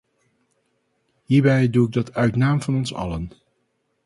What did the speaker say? Hierbij doe ik dat uit naam van ons allen.